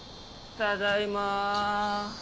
ただいま！